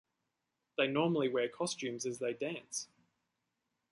They normally wear costumes as they dance.